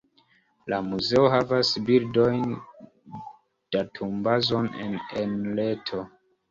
La muzeo havas bildojn-datumbazon en reto.